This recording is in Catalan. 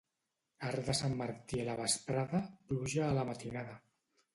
Arc de sant Martí a la vesprada, pluja a la matinada.